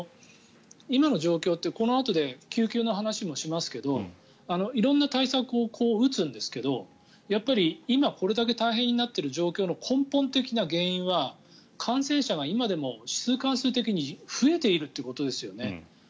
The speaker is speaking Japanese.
今の状況ってこのあとで救急の話もしますけど色んな対策を打つんですけどやっぱり今これだけ大変になっている状況の根本的な原因は感染者が今も指数関数的に増えているということですよね。